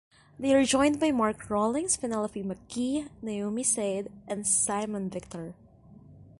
They are joined by Mark Rawlings, Penelope McGhie, Naomi Said and Simon Victor.